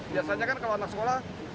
biasanya kan kalau anak sekolah